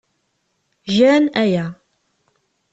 Gan aya.